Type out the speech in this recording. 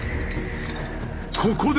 ここで。